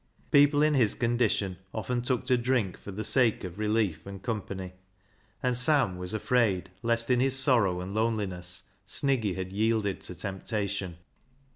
People in his condition often took to drink for the sake of relief and company, and Sam was afraid lest, in his sorrow and loneliness, Sniggy had yielded to temptation.